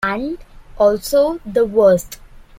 And also the worst.